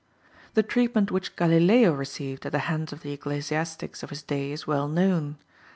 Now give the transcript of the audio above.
The treatment which Galileo received at the hands of the ecclesiastics of his day is well known.